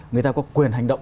người ta có quyền hành động